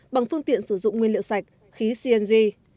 bằng phương tiện sử dụng nguyên liệu sạch khí cng